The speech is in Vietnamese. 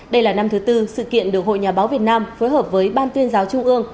đây là năm thứ tư sự kiện được hội nhà báo việt nam phối hợp với ban tuyên giáo trung ương